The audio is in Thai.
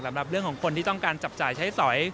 สำหรับเรื่องของคนที่ต้องการจับจ่ายใช้สอย